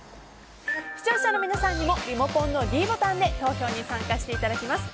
視聴者の皆さんにもリモコンのｄボタンで投票に参加していただきます。